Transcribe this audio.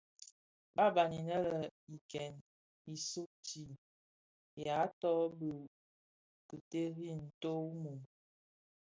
Bààban inë le i ken, i sugtii, yaa tôg bì ki teri ntó wu mum.